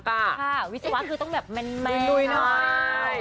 ค่ะวิศวะคือต้องแบบแม่นดูดุ้ยหน่อย